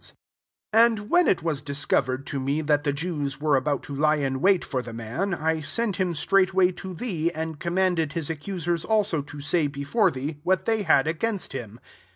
SO And when it was discovered to me that the Jews were about to lie in wait for the man, I sent him straightiway to thee, and commanded his accusers also to say, before thee, what they had against him.